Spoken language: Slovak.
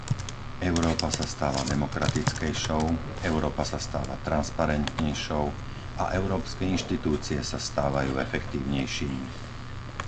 Európa sa stáva demokratickejšou, Európa sa stáva transparentnejšou a európske inštitúcie sa stávajú efektívnejšími.